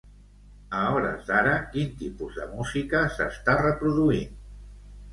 A hores d'ara quin tipus de música s'està reproduint?